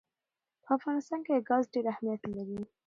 په افغانستان کې ګاز ډېر اهمیت لري.